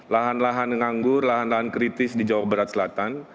lahan lahan nganggur lahan lahan kritis di jawa barat selatan